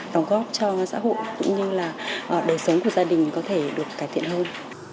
đóng góp cho xã hội cũng như là đời sống của gia đình có thể được cải thiện hơn